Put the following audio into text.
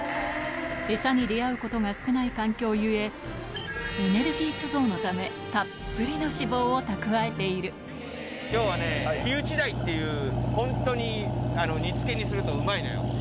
餌に出会うことが少ない環境ゆえ、エネルギー貯蔵のため、きょうはね、ヒウチダイっていう、本当に煮つけにするとうまいのよ。